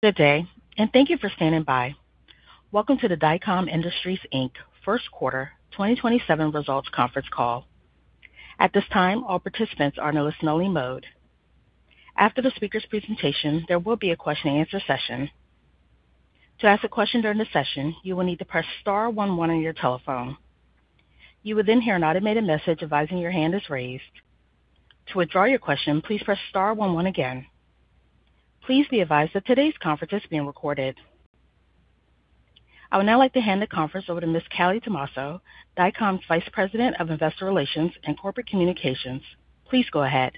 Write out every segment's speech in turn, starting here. Good day, and thank you for standing by. Welcome to the Dycom Industries, Inc. First Quarter 2027 Results Conference Call. At this time, all participants are in a listen-only mode. After the speakers presentation ,they will be a question and answer session. To ask a question during the session, you will need to press star one on your telephone. You will then hear an automated message advising your hand is raised. To withdraw your question, please press star one again. Please be advised that today's conference is being recorded. I would now like to hand the conference over to Ms. Callie Tomasso, Dycom's Vice President of Investor Relations & Corporate Communications. Please go ahead.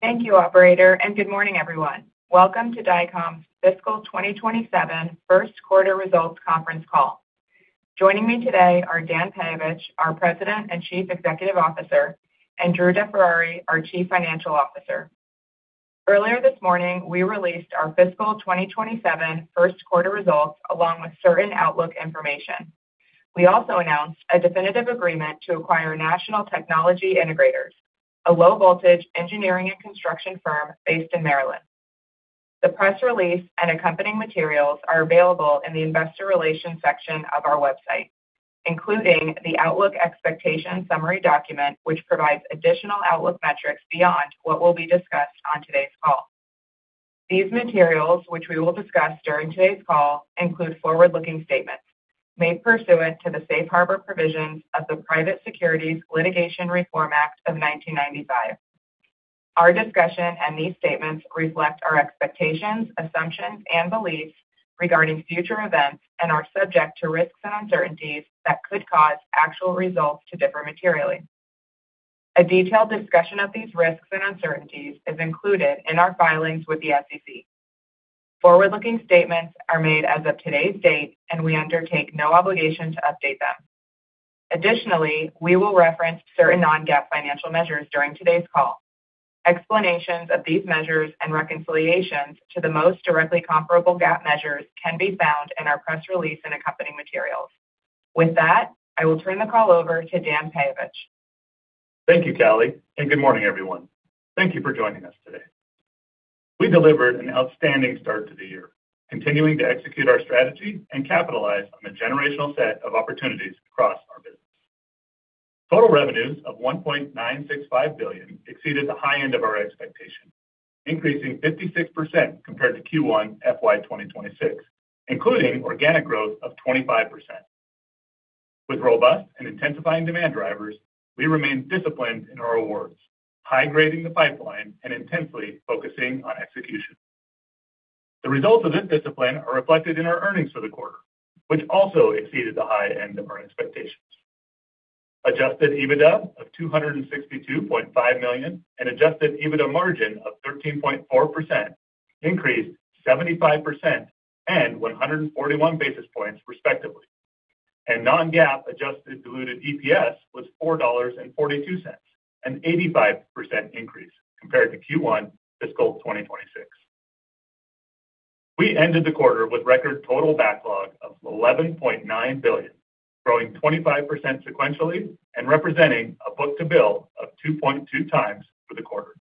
Thank you, operator. Good morning, everyone. Welcome to Dycom's Fiscal 2027 First Quarter Results Conference Call. Joining me today are Dan Peyovich, our President and Chief Executive Officer, and Drew DeFerrari, our Chief Financial Officer. Earlier this morning, we released our fiscal 2027 first quarter results, along with certain outlook information. We also announced a definitive agreement to acquire National Technology Integrators, a low-voltage engineering and construction firm based in Maryland. The press release and accompanying materials are available in the Investor Relations section of our website, including the Outlook Expectation summary document, which provides additional outlook metrics beyond what will be discussed on today's call. These materials, which we will discuss during today's call, include forward-looking statements made pursuant to the safe harbor provisions of the Private Securities Litigation Reform Act of 1995. Our discussion and these statements reflect our expectations, assumptions, and beliefs regarding future events and are subject to risks and uncertainties that could cause actual results to differ materially. A detailed discussion of these risks and uncertainties is included in our filings with the SEC. Forward-looking statements are made as of today's date, and we undertake no obligation to update them. We will reference certain Non-GAAP financial measures during today's call. Explanations of these measures and reconciliations to the most directly comparable GAAP measures can be found in our press release and accompanying materials. With that, I will turn the call over to Dan Peyovich. Thank you, Callie. Good morning, everyone. Thank you for joining us today. We delivered an outstanding start to the year, continuing to execute our strategy and capitalize on the generational set of opportunities across our business. Total revenues of $1.965 billion exceeded the high end of our expectation, increasing 56% compared to Q1 FY 2026, including organic growth of 25%. With robust and intensifying demand drivers, we remain disciplined in our awards, high-grading the pipeline and intensely focusing on execution. The results of this discipline are reflected in our earnings for the quarter, which also exceeded the high end of our expectations. adjusted EBITDA of $262.5 million and adjusted EBITDA margin of 13.4% increased 75% and 141 basis points, respectively. Non-GAAP adjusted diluted EPS was $4.42, an 85% increase compared to Q1 fiscal 2026. We ended the quarter with record total backlog of $11.9 billion, growing 25% sequentially and representing a book-to-bill of 2.2x for the quarter.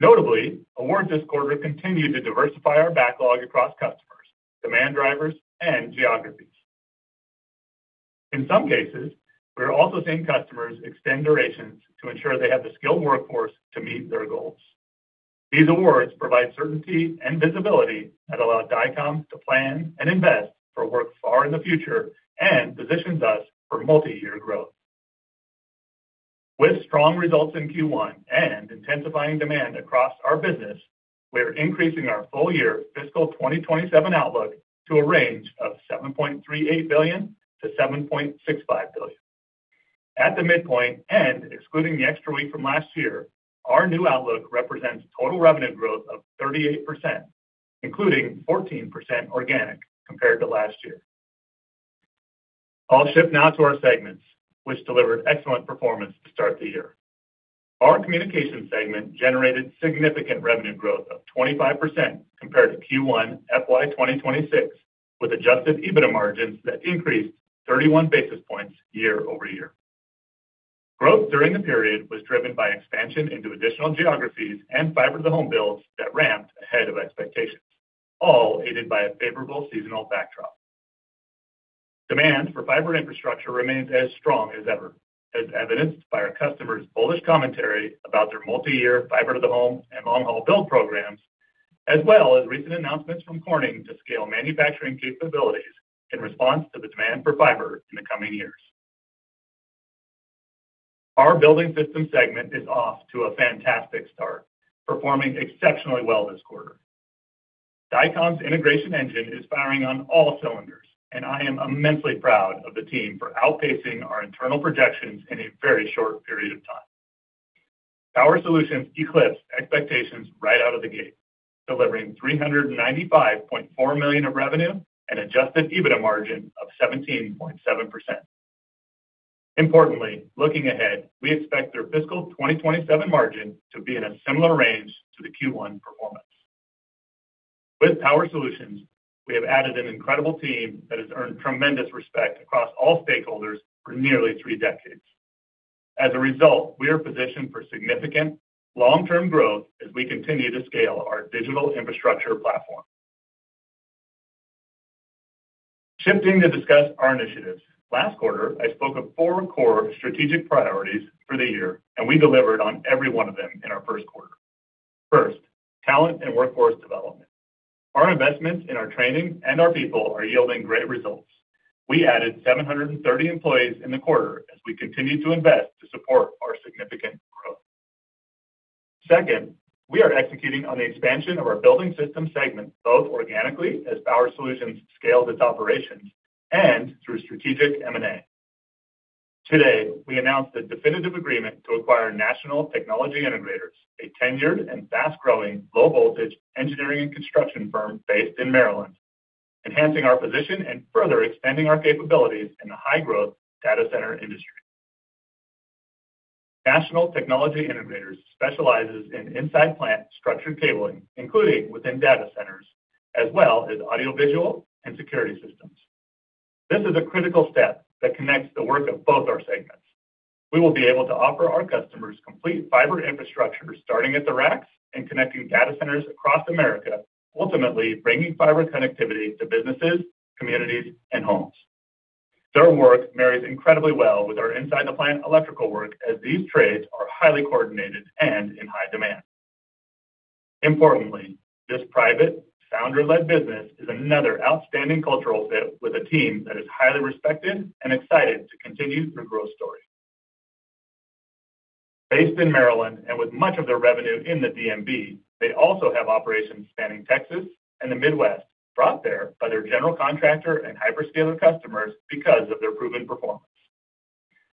Notably, award this quarter continued to diversify our backlog across customers, demand drivers, and geographies. In some cases, we are also seeing customers extend durations to ensure they have the skilled workforce to meet their goals. These awards provide certainty and visibility that allow Dycom to plan and invest for work far in the future and positions us for multi-year growth. With strong results in Q1 and intensifying demand across our business, we are increasing our full-year fiscal 2027 outlook to a range of $7.38 billion-$7.65 billion. At the midpoint and excluding the extra week from last year, our new outlook represents total revenue growth of 38%, including 14% organic compared to last year. I'll shift now to our segments, which delivered excellent performance to start the year. Our Communications segment generated significant revenue growth of 25% compared to Q1 FY 2026, with adjusted EBITDA margins that increased 31 basis points year-over-year. Growth during the period was driven by expansion into additional geographies and Fiber-to-the-Home builds that ramped ahead of expectations, all aided by a favorable seasonal backdrop. Demand for fiber infrastructure remains as strong as ever, as evidenced by our customers' bullish commentary about their multi-year Fiber-to-the-Home and long-haul build programs, as well as recent announcements from Corning to scale manufacturing capabilities in response to the demand for fiber in the coming years. Our Building Systems segment is off to a fantastic start, performing exceptionally well this quarter. Dycom's integration engine is firing on all cylinders, and I am immensely proud of the team for outpacing our internal projections in a very short period of time. Power Solutions eclipsed expectations right out of the gate, delivering $395.4 million of revenue and adjusted EBITDA margin of 17.7%. Importantly, looking ahead, we expect their fiscal 2027 margin to be in a similar range to the Q1 performance. With Power Solutions, we have added an incredible team that has earned tremendous respect across all stakeholders for nearly three decades. As a result, we are positioned for significant long-term growth as we continue to scale our digital infrastructure platform. Shifting to discuss our initiatives. Last quarter, I spoke of four core strategic priorities for the year, and we delivered on every one of them in our first quarter. First, talent and workforce development. Our investments in our training and our people are yielding great results. We added 730 employees in the quarter as we continued to invest to support our significant growth. Second, we are executing on the expansion of our Building Systems segment, both organically as Power Solutions scaled its operations and through strategic M&A. Today, we announced the definitive agreement to acquire National Technology Integrators, a tenured and fast-growing low-voltage engineering and construction firm based in Maryland, enhancing our position and further expanding our capabilities in the high-growth data center industry. National Technology Integrators specializes in inside plant structured cabling, including within data centers, as well as audiovisual and security systems. This is a critical step that connects the work of both our segments. We will be able to offer our customers complete fiber infrastructure, starting at the racks and connecting data centers across America, ultimately bringing fiber connectivity to businesses, communities, and homes. Their work marries incredibly well with our inside the plant electrical work, as these trades are highly coordinated and in high demand. Importantly, this private founder-led business is another outstanding cultural fit with a team that is highly respected and excited to continue their growth story. Based in Maryland and with much of their revenue in the D.M.V., they also have operations spanning Texas and the Midwest, brought there by their general contractor and hyperscaler customers because of their proven performance.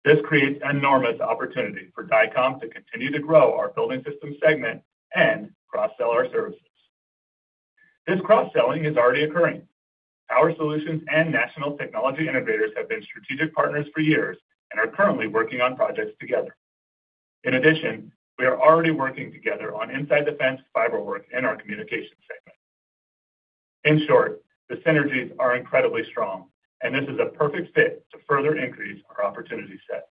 This creates enormous opportunity for Dycom to continue to grow our Building Systems segment and cross-sell our services. This cross-selling is already occurring. Power Solutions and National Technology Integrators have been strategic partners for years and are currently working on projects together. In addition, we are already working together on inside-the-fence fiber work in our Communications segment. In short, the synergies are incredibly strong, and this is a perfect fit to further increase our opportunity set.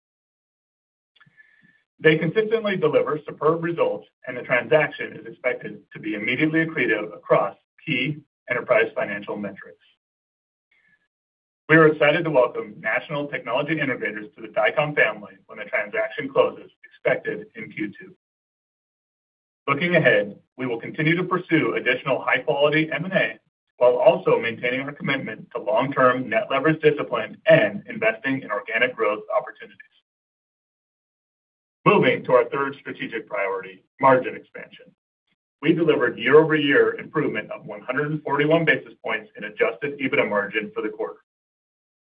They consistently deliver superb results, and the transaction is expected to be immediately accretive across key enterprise financial metrics. We are excited to welcome National Technology Integrators to the Dycom family when the transaction closes, expected in Q2. Looking ahead, we will continue to pursue additional high-quality M&A, while also maintaining our commitment to long-term net leverage discipline and investing in organic growth opportunities. Moving to our third strategic priority, margin expansion. We delivered year-over-year improvement of 141 basis points in adjusted EBITDA margin for the quarter.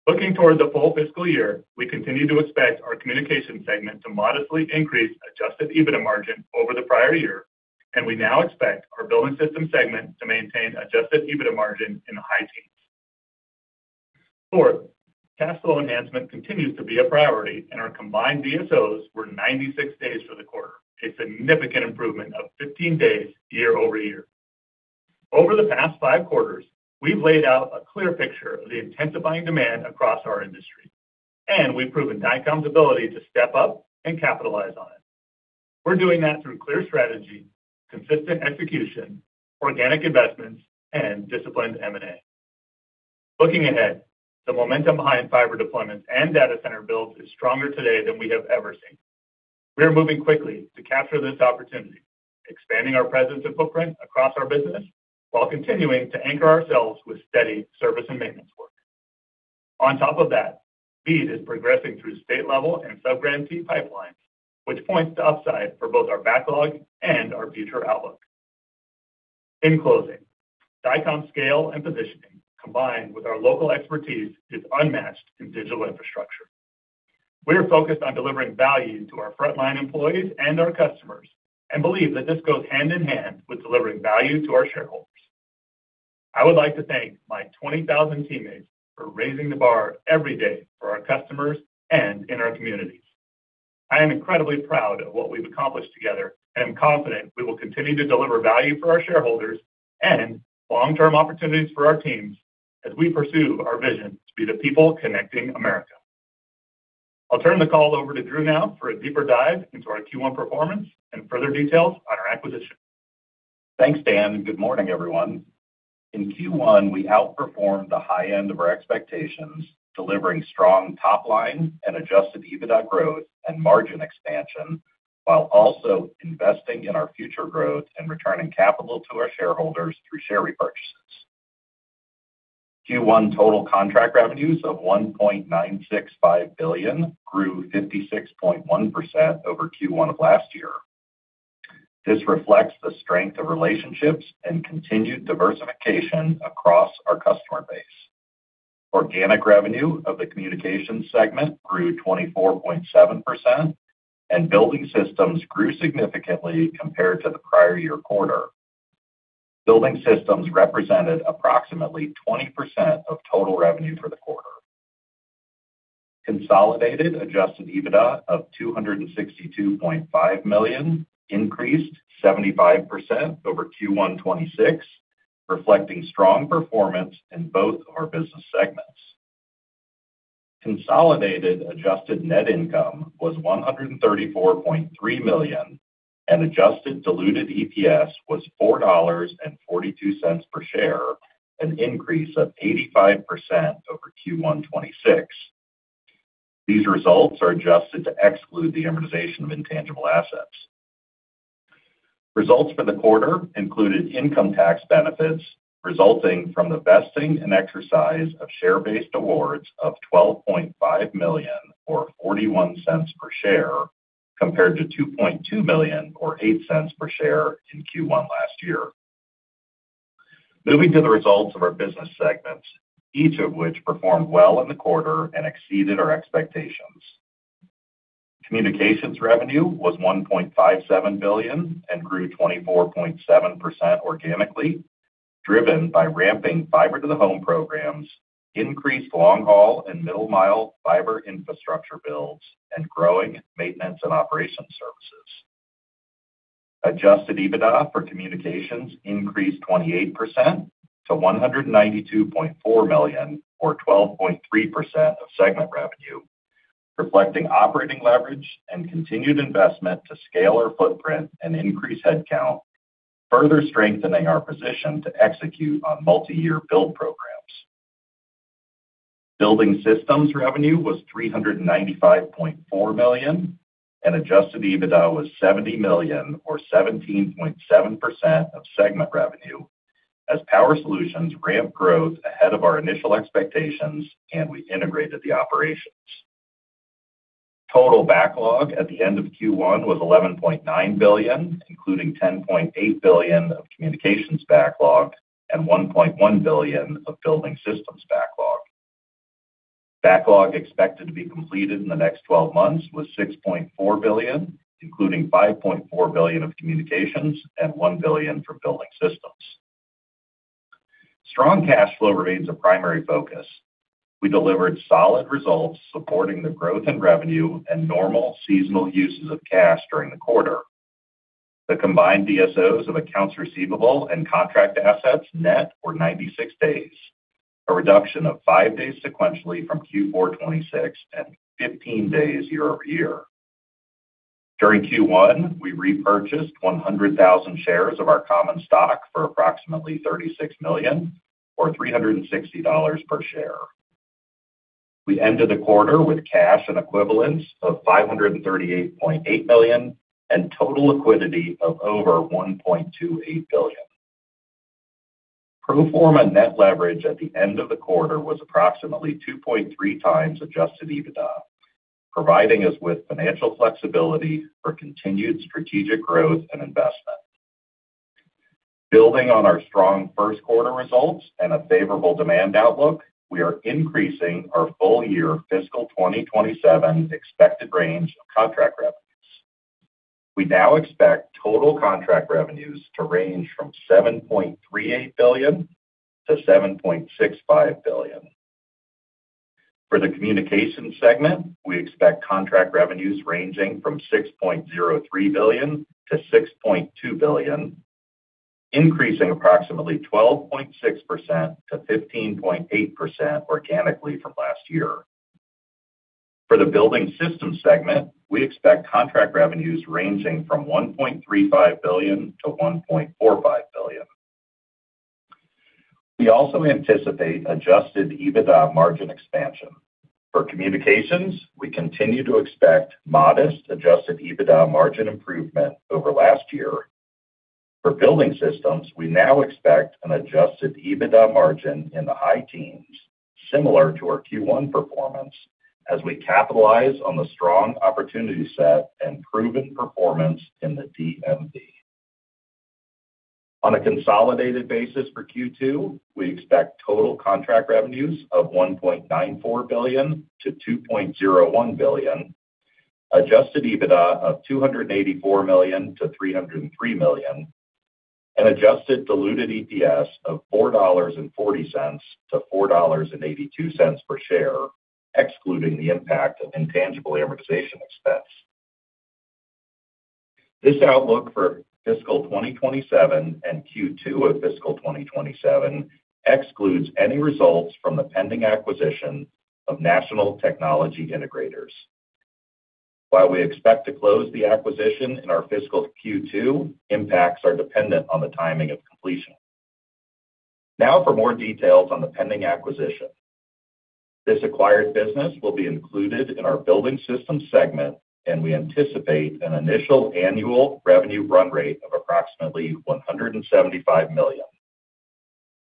Looking toward the full fiscal year, we continue to expect our Communications segment to modestly increase adjusted EBITDA margin over the prior year, and we now expect our Building Systems segment to maintain adjusted EBITDA margin in the high teens. Fourth, cash flow enhancement continues to be a priority, and our combined DSOs were 96 days for the quarter, a significant improvement of 15 days year-over-year. Over the past five quarters, we've laid out a clear picture of the intensifying demand across our industry, and we've proven Dycom's ability to step up and capitalize on it. We're doing that through clear strategy, consistent execution, organic investments, and disciplined M&A. Looking ahead, the momentum behind fiber deployments and data center builds is stronger today than we have ever seen. We are moving quickly to capture this opportunity, expanding our presence and footprint across our business while continuing to anchor ourselves with steady service and maintenance work. On top of that, BEAD is progressing through state-level and subgrantee pipelines, which points to upside for both our backlog and our future outlook. In closing, Dycom's scale and positioning, combined with our local expertise, is unmatched in digital infrastructure. We are focused on delivering value to our frontline employees and our customers and believe that this goes hand in hand with delivering value to our shareholders. I would like to thank my 20,000 teammates for raising the bar every day for our customers and in our communities. I am incredibly proud of what we've accomplished together and am confident we will continue to deliver value for our shareholders and long-term opportunities for our teams as we pursue our vision to be the people connecting America. I'll turn the call over to Drew now for a deeper dive into our Q1 performance and further details on our acquisition. Thanks, Dan, good morning, everyone. In Q1, we outperformed the high end of our expectations, delivering strong top-line and adjusted EBITDA growth and margin expansion, while also investing in our future growth and returning capital to our shareholders through share repurchases. Q1 total contract revenues of $1.965 billion grew 56.1% over Q1 of last year. This reflects the strength of relationships and continued diversification across our customer base. Organic revenue of the Communications segment grew 24.7%, Building Systems grew significantly compared to the prior year quarter. Building Systems represented approximately 20% of total revenue for the quarter. Consolidated adjusted EBITDA of $262.5 million increased 75% over Q1 2026, reflecting strong performance in both our business segments. Consolidated adjusted net income was $134.3 million, adjusted diluted EPS was $4.42 per share, an increase of 85% over Q1 2026. These results are adjusted to exclude the amortization of intangible assets. Results for the quarter included income tax benefits resulting from the vesting and exercise of share-based awards of $12.5 million, or $0.41 per share, compared to $2.2 million or $0.08 per share in Q1 last year. Moving to the results of our business segments, each of which performed well in the quarter and exceeded our expectations. Communications revenue was $1.57 billion and grew 24.7% organically, driven by ramping Fiber-to-the-Home programs, increased long-haul and middle-mile fiber infrastructure builds, and growing maintenance and operations services. Adjusted EBITDA for Communications increased 28% to $192.4 million, or 12.3% of segment revenue, reflecting operating leverage and continued investment to scale our footprint and increase headcount, further strengthening our position to execute on multiyear build programs. Building Systems revenue was $395.4 million, and adjusted EBITDA was $70 million, or 17.7% of segment revenue, as Power Solutions ramped growth ahead of our initial expectations and we integrated the operations. Total backlog at the end of Q1 was $11.9 billion, including $10.8 billion of Communications backlog and $1.1 billion of Building Systems backlog. Backlog expected to be completed in the next 12 months was $6.4 billion, including $5.4 billion of Communications and $1 billion from Building Systems. Strong cash flow remains a primary focus. We delivered solid results supporting the growth in revenue and normal seasonal uses of cash during the quarter. The combined DSOs of accounts receivable and contract assets net were 96 days, a reduction of five days sequentially from Q4 2026 and 15 days year-over-year. During Q1, we repurchased 100,000 shares of our common stock for approximately $36 million, or $360 per share. We ended the quarter with cash and equivalents of $538.8 million and total liquidity of over $1.28 billion. Pro forma net leverage at the end of the quarter was approximately 2.3x adjusted EBITDA, providing us with financial flexibility for continued strategic growth and investment. Building on our strong first quarter results and a favorable demand outlook, we are increasing our full-year fiscal 2027 expected range of contract revenues. We now expect total contract revenues to range from $7.38 billion-$7.65 billion. For the Communications segment, we expect contract revenues ranging from $6.03 billion-$6.2 billion, increasing approximately 12.6%-15.8% organically from last year. For the Building Systems segment, we expect contract revenues ranging from $1.35 billion-$1.45 billion. We also anticipate adjusted EBITDA margin expansion. For Communications, we continue to expect modest adjusted EBITDA margin improvement over last year. For Building Systems, we now expect an adjusted EBITDA margin in the high teens, similar to our Q1 performance, as we capitalize on the strong opportunity set and proven performance in the DMV. On a consolidated basis for Q2, we expect total contract revenues of $1.94 billion-$2.01 billion, adjusted EBITDA of $284 million-$303 million, and adjusted diluted EPS of $4.40-$4.82 per share, excluding the impact of intangible amortization expense. This outlook for fiscal 2027 and Q2 of fiscal 2027 excludes any results from the pending acquisition of National Technology Integrators. While we expect to close the acquisition in our fiscal Q2, impacts are dependent on the timing of completion. For more details on the pending acquisition. This acquired business will be included in our Building Systems segment, and we anticipate an initial annual revenue run rate of approximately $175 million.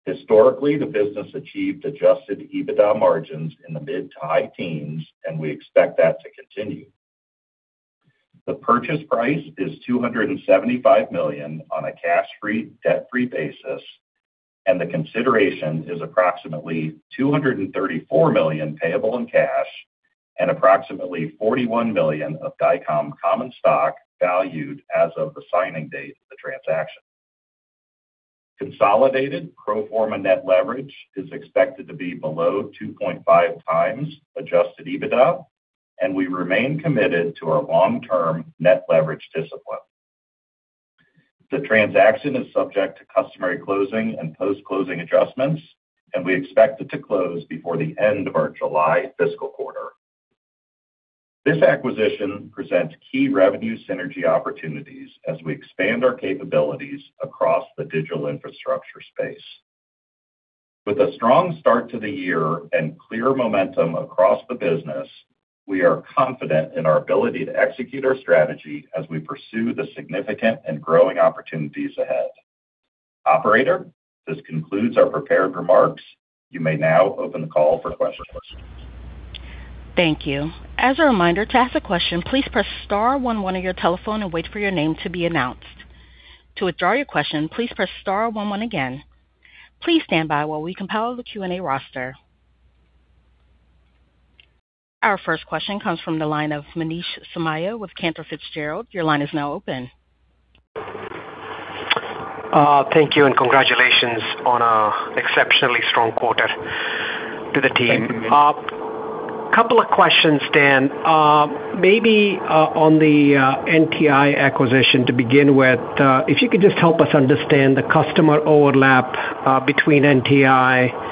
Historically, the business achieved adjusted EBITDA margins in the mid to high teens, and we expect that to continue. The purchase price is $275 million on a cash-free, debt-free basis, and the consideration is approximately $234 million payable in cash and approximately $41 million of Dycom common stock valued as of the signing date of the transaction. Consolidated pro forma net leverage is expected to be below 2.5x adjusted EBITDA. We remain committed to our long-term net leverage discipline. The transaction is subject to customary closing and post-closing adjustments, and we expect it to close before the end of our July fiscal quarter. This acquisition presents key revenue synergy opportunities as we expand our capabilities across the digital infrastructure space. With a strong start to the year and clear momentum across the business, we are confident in our ability to execute our strategy as we pursue the significant and growing opportunities ahead. Operator, this concludes our prepared remarks. You may now open the call for questions. Our first question comes from the line of Manish Somaiya with Cantor Fitzgerald. Your line is now open. Thank you, and congratulations on an exceptionally strong quarter to the team. A couple of questions, Dan. Maybe on the NTI acquisition to begin with, if you could just help us understand the customer overlap between NTI,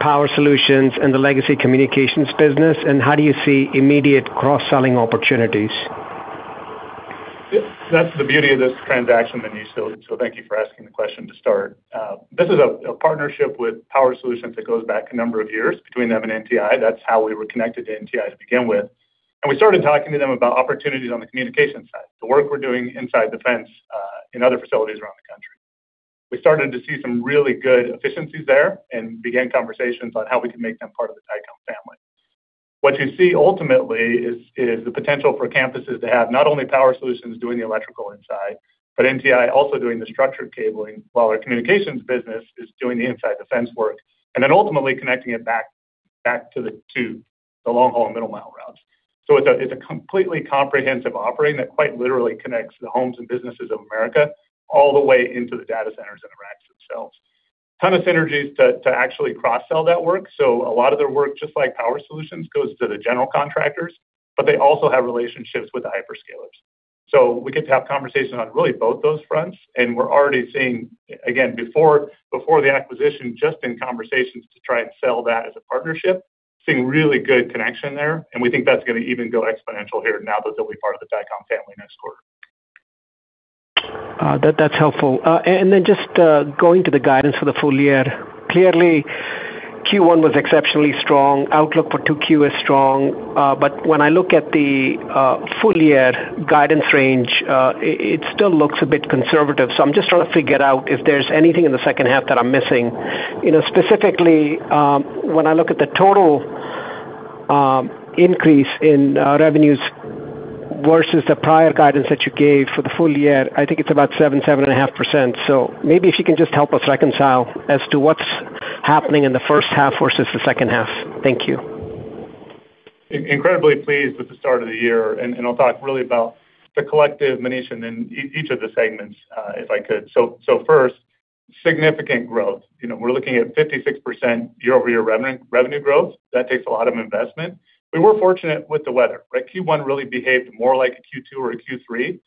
Power Solutions, and the legacy communications business, and how do you see immediate cross-selling opportunities? That's the beauty of this transaction, Manish. Thank you for asking the question to start. This is a partnership with Power Solutions that goes back a number of years between them and NTI. That's how we were connected to NTI to begin with. We started talking to them about opportunities on the communication side, the work we're doing inside the fence in other facilities around the country. We started to see some really good efficiencies there and began conversations on how we can make them part of the Dycom family. What you see ultimately is the potential for campuses to have not only Power Solutions doing the electrical inside, but NTI also doing the structured cabling, while our communications business is doing the inside the fence work, and then ultimately connecting it back to the long-haul and middle-mile routes. It's a completely comprehensive operating that quite literally connects the homes and businesses of America all the way into the data centers and the racks themselves. Ton of synergies to actually cross-sell that work. A lot of their work, just like Power Solutions, goes to the general contractors, but they also have relationships with the hyperscalers. We get to have conversations on really both those fronts, and we're already seeing, again, before the acquisition, just in conversations to try and sell that as a partnership, seeing really good connection there, and we think that's going to even go exponential here now that they'll be part of the Dycom family next quarter. That's helpful. Then just going to the guidance for the full year. Clearly, Q1 was exceptionally strong. Outlook for 2Q is strong. When I look at the full-year guidance range, it still looks a bit conservative. I'm just trying to figure out if there's anything in the second half that I'm missing. Specifically, when I look at the total increase in revenues versus the prior guidance that you gave for the full year, I think it's about 7%, 7.5%. Maybe if you can just help us reconcile as to what's happening in the first half versus the second half. Thank you. Incredibly pleased with the start of the year. I'll talk really about the collective, Manish, and then each of the segments, if I could. First, significant growth. We're looking at 56% year-over-year revenue growth. That takes a lot of investment. We were fortunate with the weather, right? Q1 really behaved more like a Q2 or a Q3.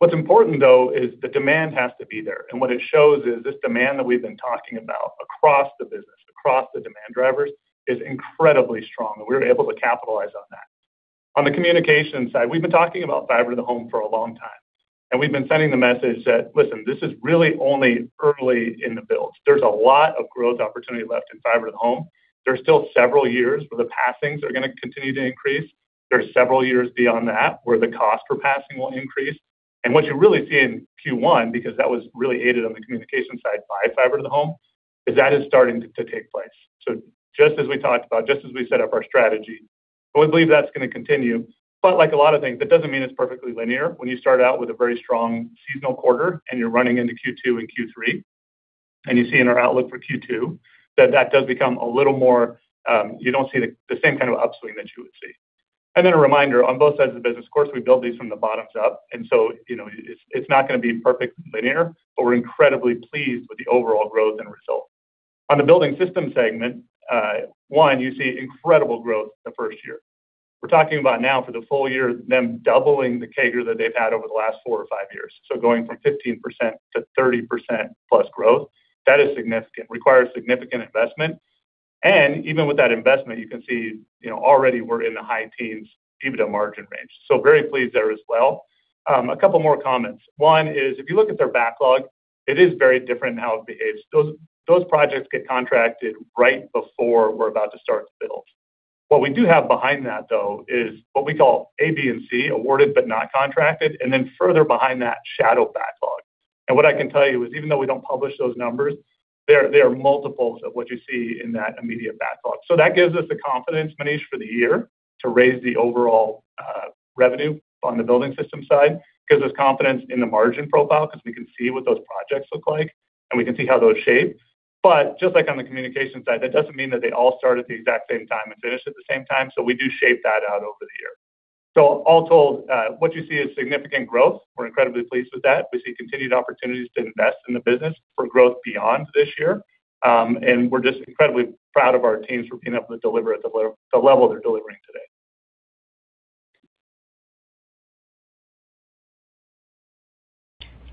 What's important, though, is the demand has to be there. What it shows is this demand that we've been talking about across the business, across the demand drivers, is incredibly strong. We were able to capitalize on that. On the Communications side, we've been talking about Fiber-to-the-Home for a long time, and we've been sending the message that, listen, this is really only early in the build. There's a lot of growth opportunity left in Fiber-to-the-Home. There's still several years where the passings are going to continue to increase. There's several years beyond that where the cost for passing will increase. What you really see in Q1, because that was really aided on the Communications side by Fiber-to-the-Home, is that is starting to take place. Just as we talked about, just as we set up our strategy. We believe that's going to continue. Like a lot of things, that doesn't mean it's perfectly linear. When you start out with a very strong seasonal quarter and you're running into Q2 and Q3, and you see in our outlook for Q2 that that does become. You don't see the same kind of upswing that you would see. A reminder, on both sides of the business, of course, we build these from the bottoms up, and so it's not going to be perfect linear, but we're incredibly pleased with the overall growth and results. On the Building Systems segment, one, you see incredible growth the first year. We're talking about now for the full year, them doubling the CAGR that they've had over the last four or five years. Going from 15%-30% plus growth. That is significant, requires significant investment. Even with that investment, you can see already we're in the high teens EBITDA margin range. Very pleased there as well. A couple more comments. One is if you look at their backlog, it is very different in how it behaves. Those projects get contracted right before we're about to start the build. What we do have behind that, though, is what we call ABNC, awarded but not contracted, and then further behind that shadow backlog. What I can tell you is even though we don't publish those numbers, they are multiples of what you see in that immediate backlog. That gives us the confidence, Manish, for the year to raise the overall revenue on the Building Systems side, gives us confidence in the margin profile because we can see what those projects look like, and we can see how those shape. Just like on the Communications side, that doesn't mean that they all start at the exact same time and finish at the same time. We do shape that out over the year. All told, what you see is significant growth. We're incredibly pleased with that. We see continued opportunities to invest in the business for growth beyond this year. We're just incredibly proud of our teams for being able to deliver at the level they're delivering today.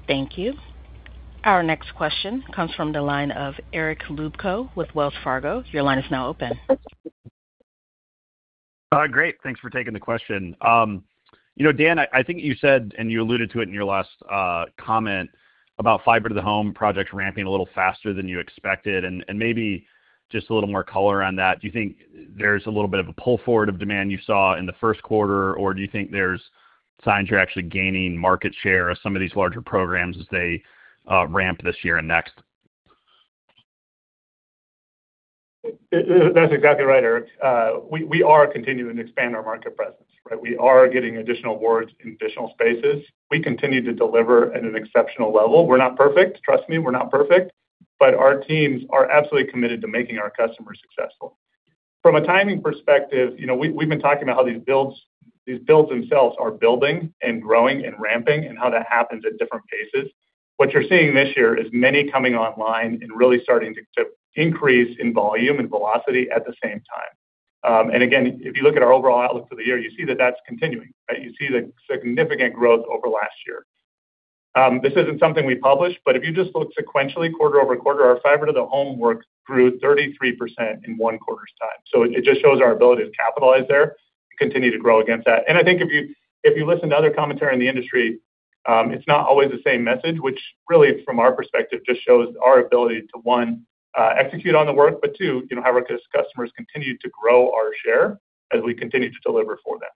Thank you. Our next question comes from the line of Eric Luebchow with Wells Fargo. Your line is now open. Great. Thanks for taking the question. Dan, I think you said, and you alluded to it in your last comment about Fiber-to-the-Home projects ramping a little faster than you expected, and maybe just a little more color on that. Do you think there's a little bit of a pull forward of demand you saw in the first quarter, or do you think there's signs you're actually gaining market share of some of these larger programs as they ramp this year and next? That's exactly right, Eric. We are continuing to expand our market presence, right? We are getting additional awards in additional spaces. We continue to deliver at an exceptional level. We're not perfect. Trust me, we're not perfect. Our teams are absolutely committed to making our customers successful. From a timing perspective, we've been talking about how these builds themselves are building and growing and ramping, and how that happens at different paces. What you're seeing this year is many coming online and really starting to increase in volume and velocity at the same time. Again, if you look at our overall outlook for the year, you see that that's continuing, right? You see the significant growth over last year. This isn't something we publish, but if you just look sequentially quarter-over-quarter, our Fiber-to-the-Home work grew 33% in one quarter's time. It just shows our ability to capitalize there and continue to grow against that. I think if you listen to other commentary in the industry, it's not always the same message, which really, from our perspective, just shows our ability to, one, execute on the work, but two, how our customers continue to grow our share as we continue to deliver for them.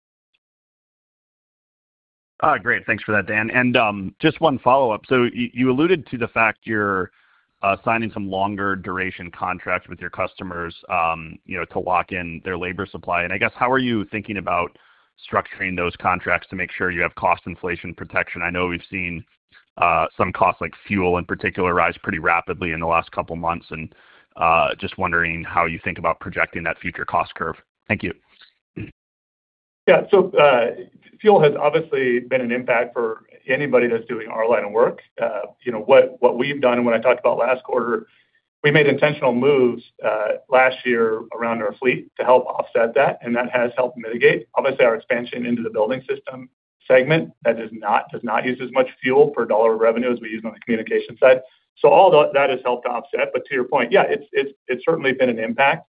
Great. Thanks for that, Dan. Just one follow-up. You alluded to the fact you're signing some longer duration contracts with your customers to lock in their labor supply, and I guess, how are you thinking about structuring those contracts to make sure you have cost inflation protection? I know we've seen some costs like fuel, in particular, rise pretty rapidly in the last couple of months, and just wondering how you think about projecting that future cost curve. Thank you. Fuel has obviously been an impact for anybody that's doing our line of work. What we've done and what I talked about last quarter, we made intentional moves last year around our fleet to help offset that, and that has helped mitigate. Obviously, our expansion into the Building Systems segment, that does not use as much fuel per dollar of revenue as we use on the communication side. All that has helped to offset, but to your point, yeah, it's certainly been an impact.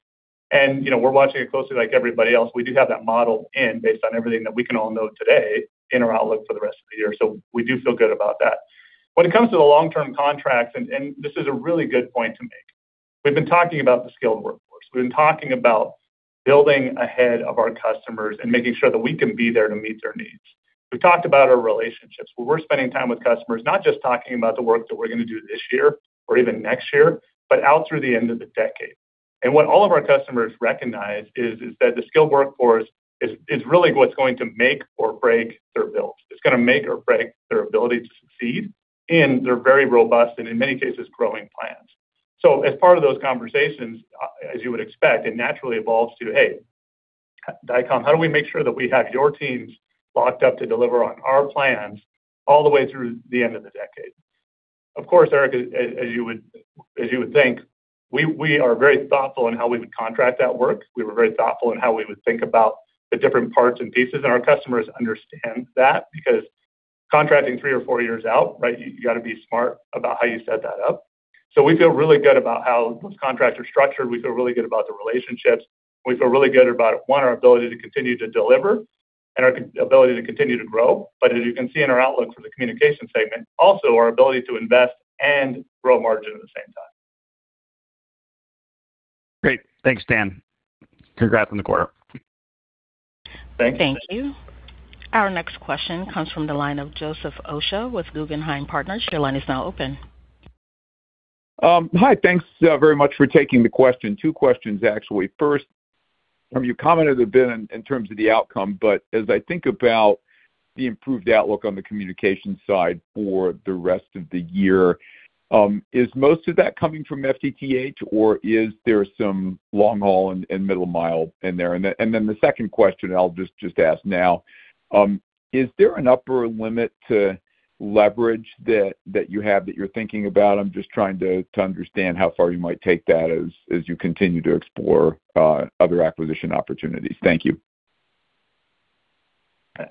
We're watching it closely like everybody else. We do have that modeled in based on everything that we can all know today in our outlook for the rest of the year. We do feel good about that. When it comes to the long-term contracts, this is a really good point to make. We've been talking about the skilled workforce. We've been talking about building ahead of our customers and making sure that we can be there to meet their needs. We've talked about our relationships, where we're spending time with customers, not just talking about the work that we're going to do this year or even next year, but out through the end of the decade. What all of our customers recognize is that the skilled workforce is really what's going to make or break their builds. It's going to make or break their ability to succeed in their very robust and in many cases, growing plans. As part of those conversations, as you would expect, it naturally evolves to, "Hey, Dycom, how do we make sure that we have your teams locked up to deliver on our plans all the way through the end of the decade?" Of course, Eric, as you would think, we are very thoughtful in how we would contract that work. We were very thoughtful in how we would think about the different parts and pieces, and our customers understand that because contracting three or four years out, right, you got to be smart about how you set that up. We feel really good about how those contracts are structured. We feel really good about the relationships. We feel really good about, one, our ability to continue to deliver and our ability to continue to grow. As you can see in our outlook for the Communications segment, also our ability to invest and grow margin at the same time. Great. Thanks, Dan. Congrats on the quarter. Thank you. Thank you. Our next question comes from the line of Joseph Osha with Guggenheim Partners. Hi. Thanks very much for taking the question. Two questions, actually. First, you commented a bit in terms of the outcome, but as I think about the improved outlook on the Communications segment side for the rest of the year, is most of that coming from FTTH or is there some long-haul and middle-mile in there? The second question I'll just ask now, is there an upper limit to leverage that you have that you're thinking about? I'm just trying to understand how far you might take that as you continue to explore other acquisition opportunities. Thank you.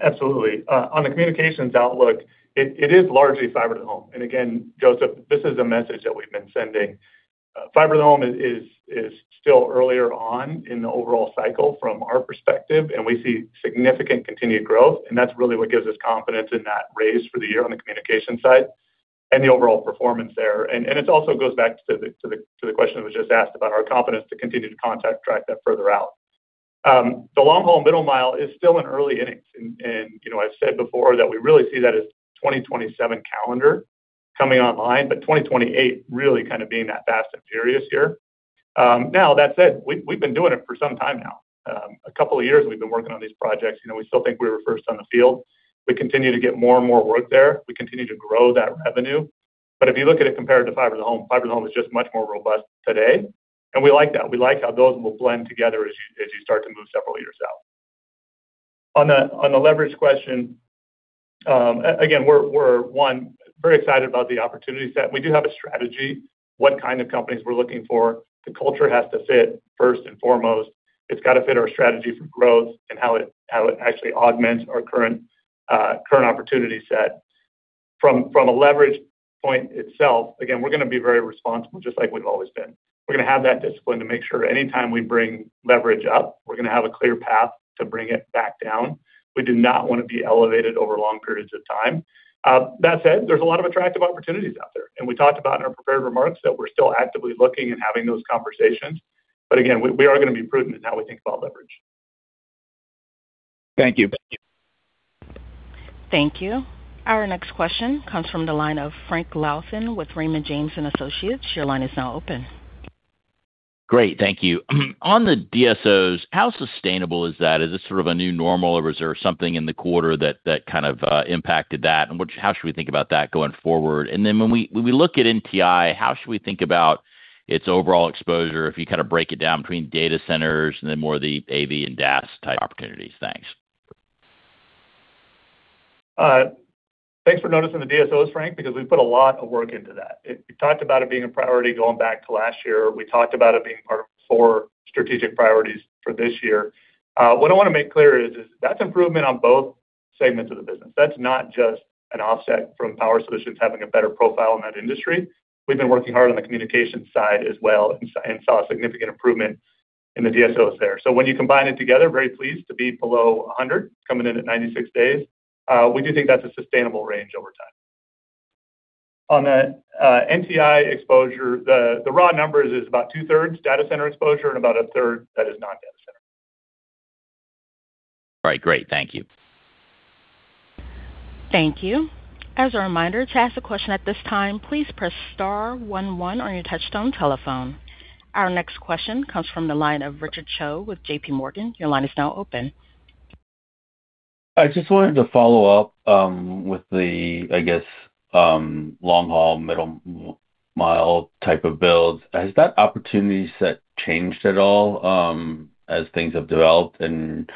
Absolutely. On the Communications outlook, it is largely Fiber-to-the-Home. Again, Joseph, this is a message that we've been sending. Fiber-to-the-Home is still earlier on in the overall cycle from our perspective, and we see significant continued growth, and that's really what gives us confidence in that raise for the year on the Communications side and the overall performance there. It also goes back to the question that was just asked about our confidence to continue to contract that further out. The long-haul and middle-mile is still in early innings. I've said before that we really see that as 2027 calendar coming online, but 2028 really kind of being that fast and furious year. Now, that said, we've been doing it for some time now. A couple of years we've been working on these projects. We still think we were first on the field. We continue to get more and more work there. We continue to grow that revenue. If you look at it compared to Fiber-to-the-Home, Fiber-to-the-Home is just much more robust today, and we like that. We like how those will blend together as you start to move several years out. On the leverage question, again, we're, one, very excited about the opportunity set. We do have a strategy, what kind of companies we're looking for. The culture has to fit first and foremost. It's got to fit our strategy for growth and how it actually augments our current opportunity set. From a leverage point itself, again, we're going to be very responsible, just like we've always been. We're going to have that discipline to make sure anytime we bring leverage up, we're going to have a clear path to bring it back down. We do not want to be elevated over long periods of time. That said, there's a lot of attractive opportunities out there, and we talked about in our prepared remarks that we're still actively looking and having those conversations, but again, we are going to be prudent in how we think about leverage. Thank you. Thank you. Our next question comes from the line of Frank Louthan with Raymond James & Associates. Your line is now open. Great. Thank you. On the DSOs, how sustainable is that? Is this sort of a new normal, or was there something in the quarter that kind of impacted that, and how should we think about that going forward? When we look at NTI, how should we think about its overall exposure if you break it down between data centers and then more of the AV and DAS type opportunities? Thanks. Thanks for noticing the DSOs, Frank, because we put a lot of work into that. We talked about it being a priority going back to last year. We talked about it being part of our four strategic priorities for this year. What I want to make clear is that's improvement on both segments of the business. That's not just an offset from Power Solutions having a better profile in that industry. We've been working hard on the communication side as well and saw significant improvement in the DSOs there. When you combine it together, very pleased to be below 100, coming in at 96 days. We do think that's a sustainable range over time. On the NTI exposure, the raw numbers is about two-thirds data center exposure and about a third that is not data center. All right, great. Thank you. Thank you. Our next question comes from the line of Richard Cho with JPMorgan. I just wanted to follow up with the long-haul middle-mile type of builds. Has that opportunity set changed at all as things have developed, and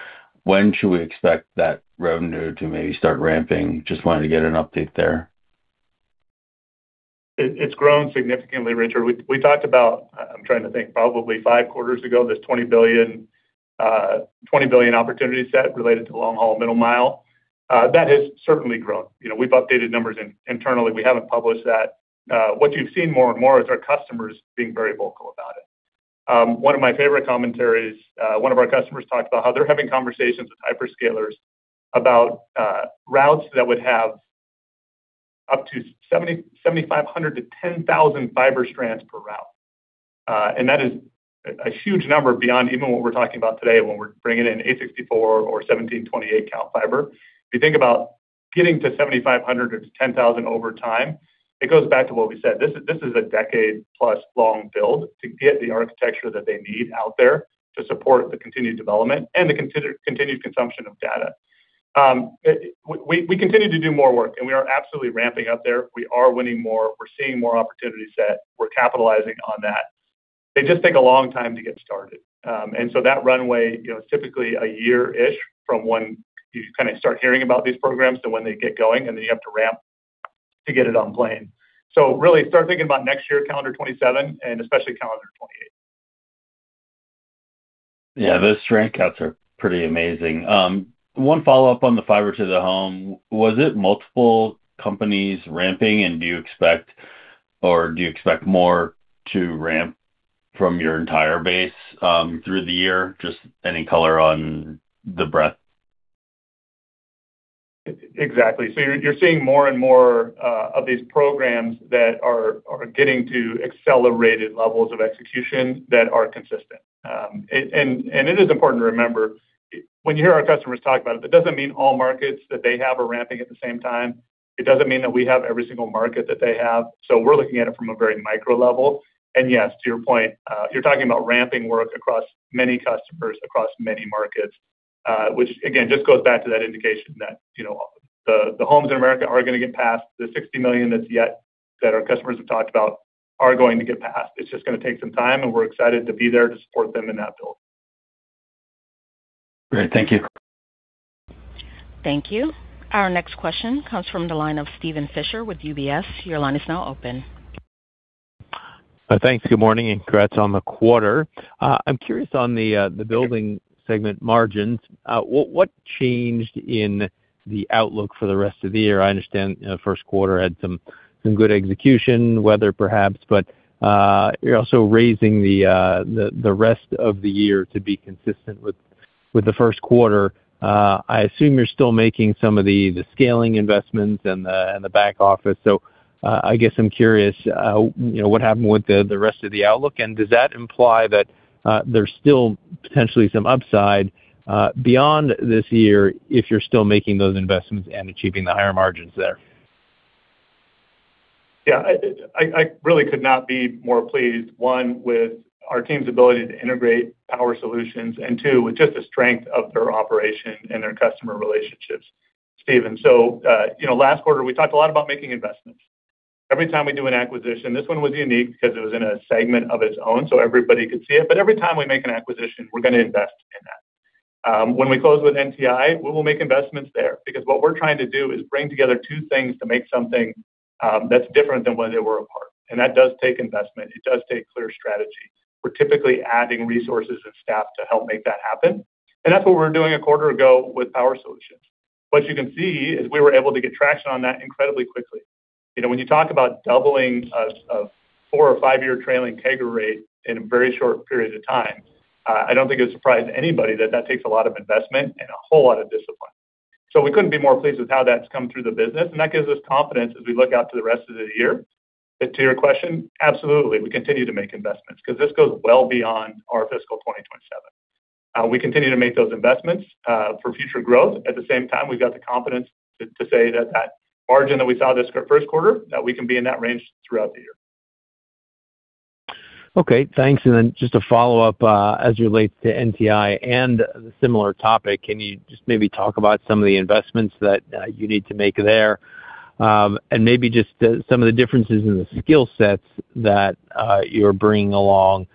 when should we expect that revenue to maybe start ramping? Just wanted to get an update there. It's grown significantly, Richard. We talked about, I'm trying to think, probably five quarters ago, this $20 billion opportunity set related to long-haul middle-mile. That has certainly grown. We've updated numbers internally. We haven't published that. What you've seen more and more is our customers being very vocal about it. One of my favorite commentaries, one of our customers talked about how they're having conversations with hyperscalers about routes that would have up to 7,500-10,000 fiber strands per route. That is a huge number beyond even what we're talking about today when we're bringing in 864 or 1728 count fiber. If you think about getting to 7,500 or to 10,000 over time, it goes back to what we said. This is a decade plus long build to get the architecture that they need out there to support the continued development and the continued consumption of data. We continue to do more work, and we are absolutely ramping up there. We are winning more. We're seeing more opportunity set. We're capitalizing on that. They just take a long time to get started. That runway, typically a year-ish from when you start hearing about these programs to when they get going, and then you have to ramp to get it on plane. Really start thinking about next year, calendar 2027, and especially calendar 2028. Yeah, those strand counts are pretty amazing. One follow-up on the Fiber-to-the-Home. Was it multiple companies ramping, and do you expect more to ramp from your entire base through the year? Just any color on the breadth. Exactly. You're seeing more and more of these programs that are getting to accelerated levels of execution that are consistent. It is important to remember, when you hear our customers talk about it, that doesn't mean all markets that they have are ramping at the same time. It doesn't mean that we have every single market that they have. We're looking at it from a very micro level. Yes, to your point, you're talking about ramping work across many customers, across many markets, which again, just goes back to that indication that the homes in America are going to get past the 60 million that our customers have talked about are going to get past. It's just going to take some time, and we're excited to be there to support them in that build. Great. Thank you. Thank you. Our next question comes from the line of Steven Fisher with UBS. Your line is now open. Thanks. Good morning, and congrats on the quarter. I'm curious on the Building Systems segment margins. What changed in the outlook for the rest of the year? I understand first quarter had some good execution, weather perhaps, but you're also raising the rest of the year to be consistent with the first quarter. I assume you're still making some of the scaling investments and the back office. I guess I'm curious, what happened with the rest of the outlook, and does that imply that there's still potentially some upside beyond this year if you're still making those investments and achieving the higher margins there? Yeah, I really could not be more pleased, one, with our team's ability to integrate Power Solutions, and two, with just the strength of their operation and their customer relationships, Steven. Last quarter, we talked a lot about making investments. Every time we do an acquisition, this one was unique because it was in a segment of its own, so everybody could see it. Every time we make an acquisition, we're going to invest in that. When we close with NTI, we will make investments there because what we're trying to do is bring together two things to make something that's different than when they were apart. That does take investment. It does take clear strategy. We're typically adding resources and staff to help make that happen. That's what we were doing a quarter ago with Power Solutions. What you can see is we were able to get traction on that incredibly quickly. When you talk about doubling a four or five-year trailing CAGR rate in a very short period of time, I don't think it would surprise anybody that takes a lot of investment and a whole lot of discipline. We couldn't be more pleased with how that's come through the business, and that gives us confidence as we look out to the rest of the year. To your question, absolutely, we continue to make investments because this goes well beyond our fiscal 2027. We continue to make those investments for future growth. At the same time, we've got the confidence to say that that margin that we saw this first quarter, that we can be in that range throughout the year. Okay, thanks. Then just a follow-up, as it relates to NTI and a similar topic, can you just maybe talk about some of the investments that you need to make there? Maybe just some of the differences in the skill sets that you're bringing along,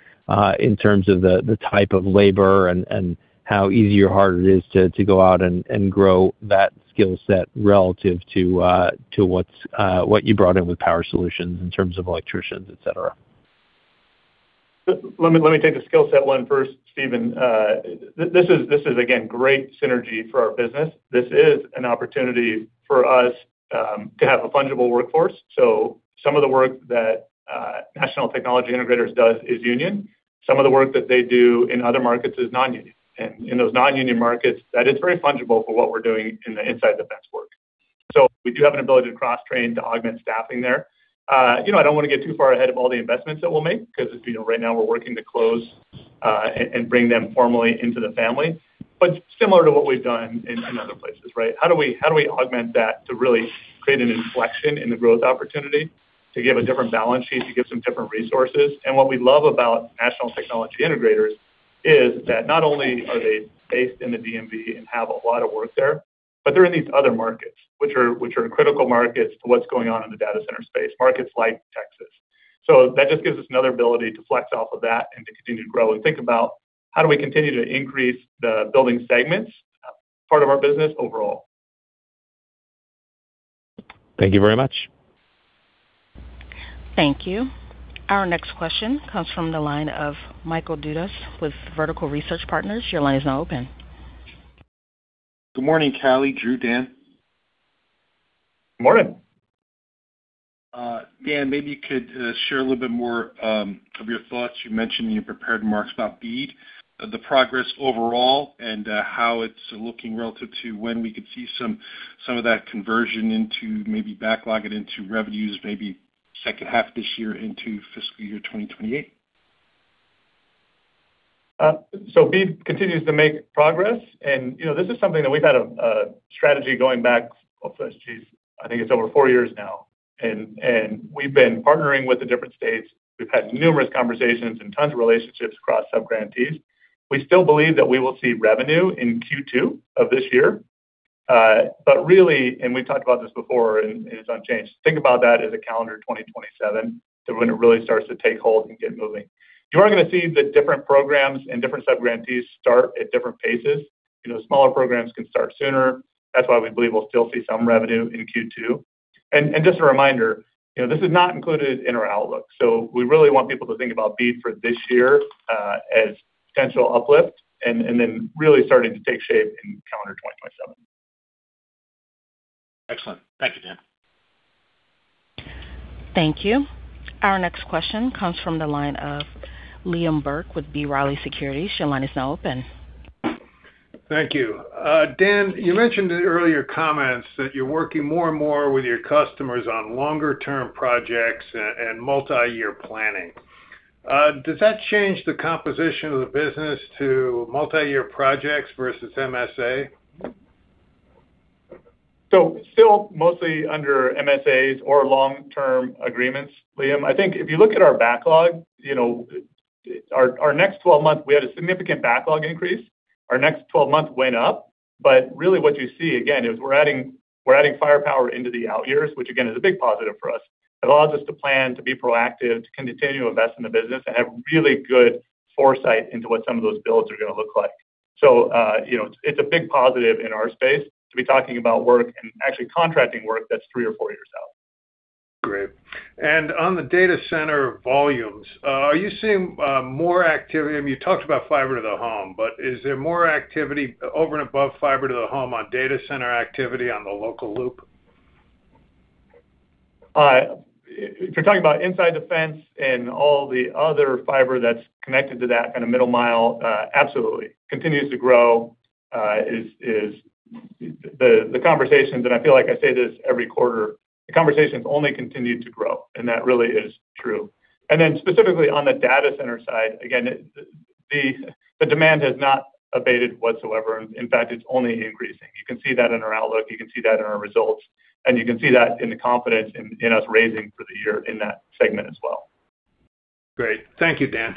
in terms of the type of labor and how easy or hard it is to go out and grow that skill set relative to what you brought in with Power Solutions in terms of electricians, et cetera. Let me take the skill set one first, Steven. This is, again, great synergy for our business. This is an opportunity for us to have a fungible workforce. Some of the work that National Technology Integrators does is union. Some of the work that they do in other markets is non-union. In those non-union markets, that is very fungible for what we're doing in the inside-the-fence work. We do have an ability to cross-train to augment staffing there. I don't want to get too far ahead of all the investments that we'll make because right now we're working to close and bring them formally into the family. Similar to what we've done in other places, right? How do we augment that to really create an inflection in the growth opportunity to give a different balance sheet, to give some different resources? What we love about National Technology Integrators is that not only are they based in the DMV and have a lot of work there, but they're in these other markets, which are critical markets to what's going on in the data center space, markets like Texas. That just gives us another ability to flex off of that and to continue to grow and think about how do we continue to increase the Building Systems segment part of our business overall. Thank you very much. Thank you. Our next question comes from the line of Michael Dudas with Vertical Research Partners. Good morning, Callie, Drew, Dan. Morning. Dan, maybe you could share a little bit more of your thoughts. You mentioned in your prepared remarks about BEAD, the progress overall, and how it's looking relative to when we could see some of that conversion into maybe backlogging into revenues, maybe second half this year into fiscal year 2028. BEAD continues to make progress. This is something that we've had a strategy going back, oh, geez, I think it's over four years now. We've been partnering with the different states. We've had numerous conversations and tons of relationships across sub-grantees. We still believe that we will see revenue in Q2 of this year. Really, and we've talked about this before and it's unchanged, think about that as a calendar 2027 to when it really starts to take hold and get moving. You are going to see the different programs and different sub-grantees start at different paces. Smaller programs can start sooner. That's why we believe we'll still see some revenue in Q2. Just a reminder, this is not included in our outlook. We really want people to think about BEAD for this year as potential uplift and then really starting to take shape in calendar 2027. Excellent. Thank you, Dan. Thank you. Our next question comes from the line of Liam Burke with B. Riley Securities. Your line is now open. Thank you. Dan, you mentioned in earlier comments that you're working more and more with your customers on longer term projects and multi-year planning. Does that change the composition of the business to multi-year projects versus MSA? Still mostly under MSAs or long-term agreements, Liam. I think if you look at our backlog, our next 12 months, we had a significant backlog increase. Our next 12 months went up. Really what you see again is we're adding firepower into the out years, which again, is a big positive for us. It allows us to plan, to be proactive, to continue to invest in the business and have really good foresight into what some of those builds are going to look like. It's a big positive in our space to be talking about work and actually contracting work that's three or four years out. Great. On the data center volumes, are you seeing more activity? I mean, you talked about Fiber-to-the-Home, but is there more activity over and above Fiber-to-the-Home on data center activity on the local loop? If you're talking about inside-the-fence and all the other fiber that's connected to that kind of middle-mile, absolutely. Continues to grow. The conversations, and I feel like I say this every quarter, the conversations only continue to grow, and that really is true. Specifically on the data center side, again, the demand has not abated whatsoever. In fact, it's only increasing. You can see that in our outlook. You can see that in our results, and you can see that in the confidence in us raising for the year in that segment as well. Great. Thank you, Dan.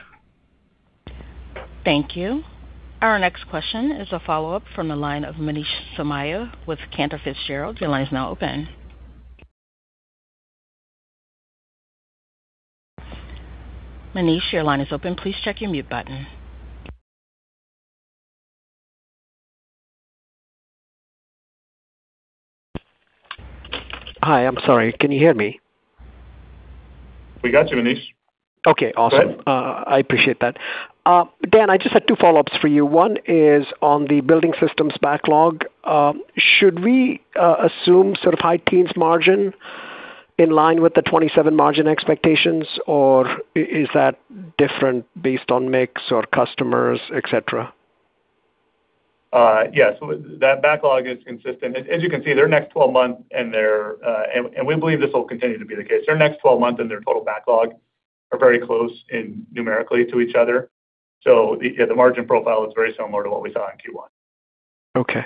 Thank you. Our next question is a follow-up from the line of Manish Somaiya with Cantor Fitzgerald. Your line is now open. Manish, your line is open. Please check your mute button. Hi, I'm sorry. Can you hear me? We got you, Manish. Okay, awesome. Go ahead. I appreciate that. Dan, I just had two follow-ups for you. One is on the Building Systems backlog. Should we assume sort of high teens margin in line with the 27% margin expectations, or is that different based on mix or customers, et cetera? Yes. That backlog is consistent. As you can see, their next 12 months and we believe this will continue to be the case. Their next 12 months and their total backlog are very close numerically to each other. Yeah, the margin profile is very similar to what we saw in Q1. Okay.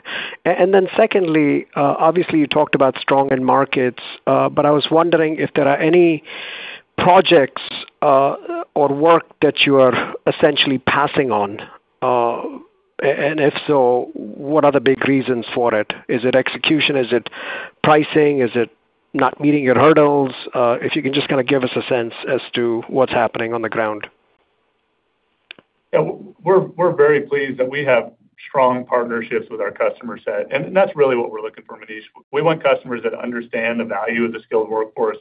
Secondly, obviously, you talked about strong end markets, but I was wondering if there are any projects or work that you are essentially passing on. If so, what are the big reasons for it? Is it execution? Is it pricing? Is it not meeting your hurdles? If you can just kind of give us a sense as to what's happening on the ground. We're very pleased that we have strong partnerships with our customer set, and that's really what we're looking for, Manish. We want customers that understand the value of the skilled workforce.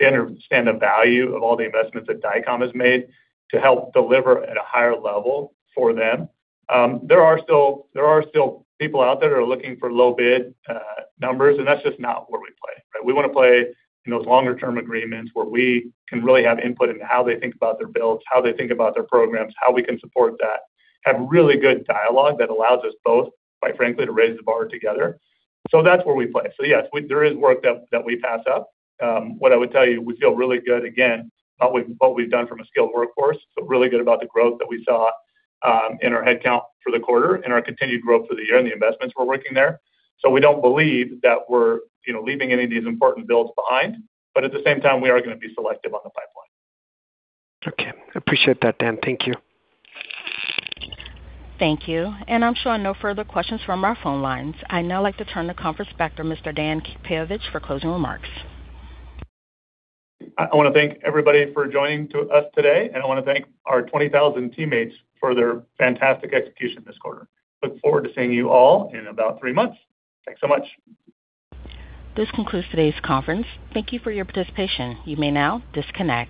They understand the value of all the investments that Dycom has made to help deliver at a higher level for them. There are still people out there that are looking for low bid numbers, and that's just not where we play, right? We want to play in those longer-term agreements where we can really have input into how they think about their builds, how they think about their programs, how we can support that, have really good dialogue that allows us both, quite frankly, to raise the bar together. That's where we play. Yes, there is work that we pass up. What I would tell you, we feel really good, again, about what we've done from a skilled workforce. Really good about the growth that we saw in our headcount for the quarter and our continued growth for the year and the investments we're working there. We don't believe that we're leaving any of these important builds behind. At the same time, we are going to be selective on the pipeline. Okay. Appreciate that, Dan. Thank you. Thank you. I'm showing no further questions from our phone lines. I'd now like to turn the conference back to Mr. Dan Peyovich for closing remarks. I want to thank everybody for joining us today, and I want to thank our 20,000 teammates for their fantastic execution this quarter. Look forward to seeing you all in about three months. Thanks so much. This concludes today's conference. Thank you for your participation. You may now disconnect.